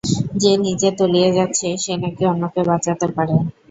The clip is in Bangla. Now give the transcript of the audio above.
যে নিজে তলিয়ে যাচ্ছে সে নাকি অন্যকে বাঁচাতে পারে!